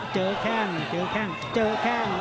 แข้งเจอแข้งเจอแข้ง